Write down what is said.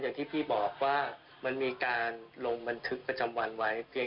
อย่างที่พี่บอกว่ามันมีการลงบันทึกประจำวันไว้เพียง